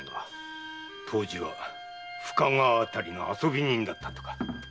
藤十は深川あたりの遊び人だったとか。